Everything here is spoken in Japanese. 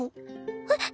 えっ！